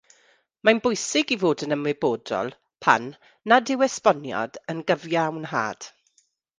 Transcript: Mae'n bwysig i fod yn ymwybodol pan “nad” yw esboniad yn gyfiawnhad.